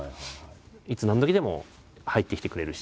いつ何時でも入ってきてくれるし